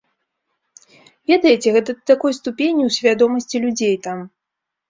Ведаеце, гэта да такой ступені ў свядомасці людзей там.